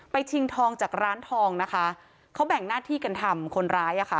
ชิงทองจากร้านทองนะคะเขาแบ่งหน้าที่กันทำคนร้ายอ่ะค่ะ